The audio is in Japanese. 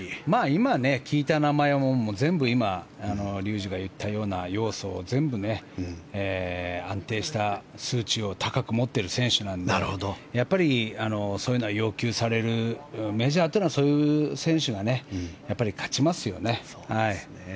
今、聞いた名前は全部今、竜二が言ったような要素を全部、安定した数値を高く持っている選手なのでやっぱりそういうのは要求されるメジャーというのはそういう選手がやっぱり勝ちますよね。